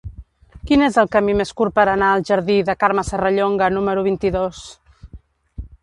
Quin és el camí més curt per anar al jardí de Carme Serrallonga número vint-i-dos?